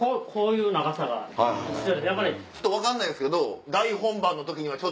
ちょっと分かんないんすけど。